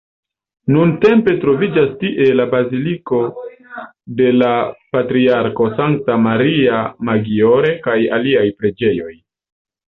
Nuntempe troviĝas tie la baziliko de la patriarko Santa Maria Maggiore kaj aliaj preĝejoj.